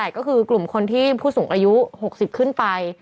ก็คือกลุ่มคนที่ผู้สูงอายุ๖๐ขึ้นไป